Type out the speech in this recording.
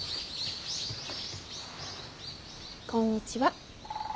こんにちは。